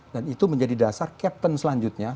dan itu menjadi dasar kapten selanjutnya